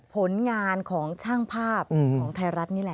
ผลงานของช่างภาพของไทยรัฐนี่แหละ